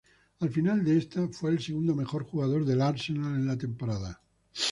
Al final de esta fue el segundo mejor jugador del Arsenal en la temporada.